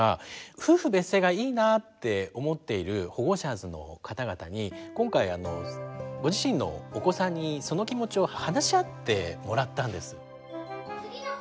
夫婦別姓がいいなって思っているホゴシャーズの方々に今回ご自身のお子さんにその気持ちを話し合ってもらったんです。